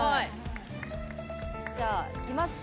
じゃあいきますか。